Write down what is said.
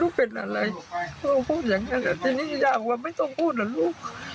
พูดอย่างนั้นละทีนี้ยากว่าไม่ต้องพูดหรือลูก